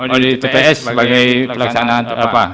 kalau di tps sebagai pelaksanaan apa